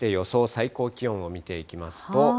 最高気温を見ていきますと。